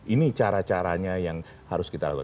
ini cara caranya yang harus kita lakukan